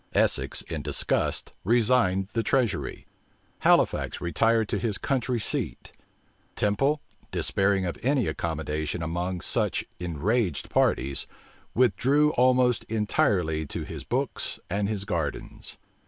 Essex in disgust resigned the treasury: Halifax retired to his country seat: Temple, despairing of any accommodation among such enraged parties, withdrew almost entirely to his books and his gardens.